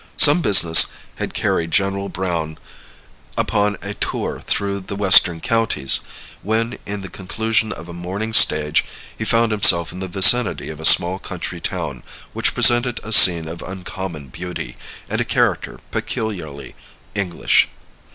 Some business had carried General Browne upon a tour through the western counties, when, in the conclusion of a morning stage, he found himself in the vicinity of a small country town, which presented a scene of uncommon beauty, and of a character peculiarly English.